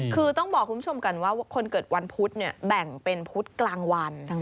คือต้องบอกคุณผู้ชมกันว่าคนเกิดวันพุธเนี่ยแบ่งเป็นพุธกลางวัน